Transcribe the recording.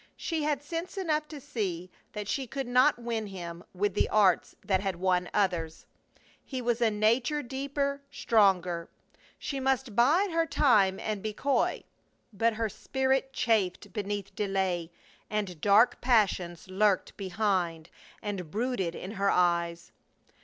She had sense enough to see that she could not win him with the arts that had won others. His was a nature deeper, stronger. She must bide her time and be coy. But her spirit chafed beneath delay, and dark passions lurked behind and brooded in her eyes.